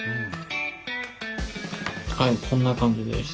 はいこんな感じです。